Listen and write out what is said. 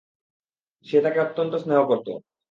সে তাকে অত্যন্ত স্নেহ করত।